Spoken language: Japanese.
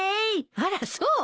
あらそう？